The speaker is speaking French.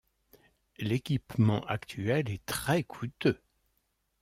L’équipement actuel est très coûteux.